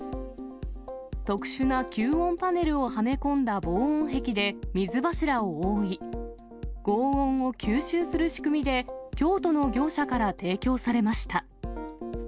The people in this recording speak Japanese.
特殊な吸音パネルをはめ込んだ防音壁で水柱を覆い、ごう音を吸収する仕組みで、京都の業者から提供されました。